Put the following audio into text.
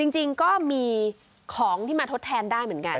จริงก็มีของที่มาทดแทนได้เหมือนกัน